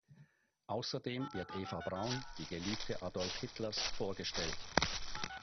Außerdem wird Eva Braun, die Geliebte Adolf Hitlers, vorgestellt.